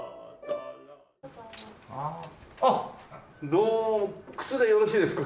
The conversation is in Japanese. どうも靴でよろしいですか？